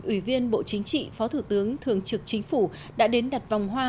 ủy viên bộ chính trị phó thủ tướng thường trực chính phủ đã đến đặt vòng hoa